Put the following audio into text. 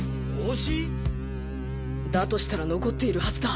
だとしたら残っているはずだ